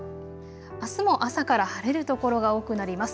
あすも朝から晴れる所が多くなります。